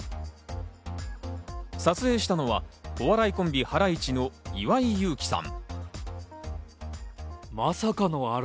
撮影したのはお笑いコンビ、ハライチの岩井勇気さん。